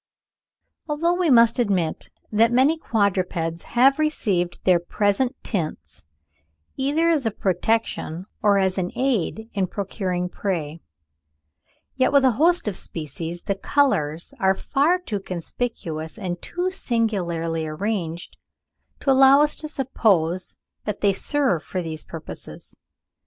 ] Although we must admit that many quadrupeds have received their present tints either as a protection, or as an aid in procuring prey, yet with a host of species, the colours are far too conspicuous and too singularly arranged to allow us to suppose that they serve for these purposes.